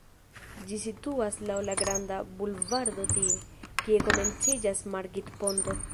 Ĝi situas laŭ la "Granda Bulvardo" tie, kie komenciĝas Margit-ponto.